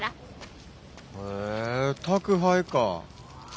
へえ宅配か。